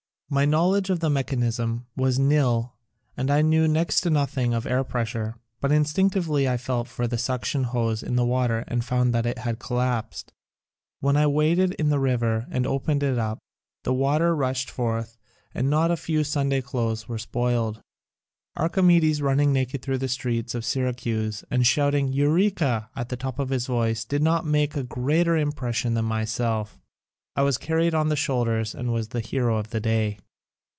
My knowledge of the mechan ism was nil and I knew next to nothing of air pressure, but instinctively I felt for the suction hose in the water and found that it had collapsed. When I waded in the river and opened it up the water rushed forth and not a few Sunday clothes were spoiled. Archimedes running naked thru the streets of Syracuse and shouting Eureka at the top of his voice did not make a greater impression than myself. I was carried on the shoulders and was the hero of the day.